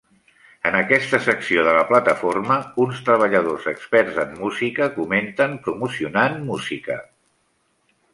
En aquesta secció de la plataforma, uns treballadors experts en música comenten promocionant música.